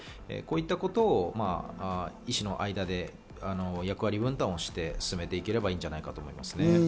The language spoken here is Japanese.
こういったことを医師の間で役割分担して進めていければいいんじゃないかと思います。